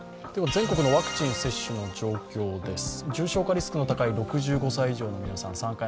全国のワクチン接種の状況です。